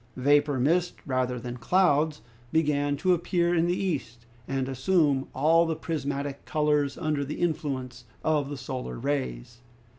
Vapor mist rather than clouds began to appear in the east, and assume all the prismatic colors under the influence of the solar rays.